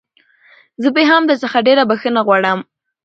زه بيا هم درڅخه ډېره بخښنه غواړم.